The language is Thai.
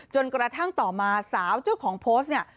จนกระทั่งต่อมาสาวเจ้าของโพสต์เนี่ย